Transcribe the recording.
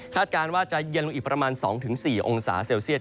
การว่าจะเย็นลงอีกประมาณ๒๔องศาเซลเซียต